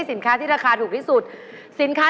ถูกกว่าถูกกว่า